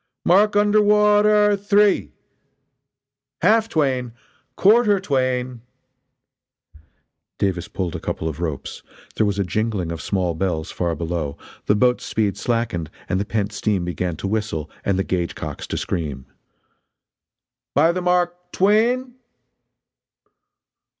"Mark under wa a ter three!" "Half twain!" "Quarter twain! " Davis pulled a couple of ropes there was a jingling of small bells far below, the boat's speed slackened, and the pent steam began to whistle and the gauge cocks to scream: "By the mark twain!"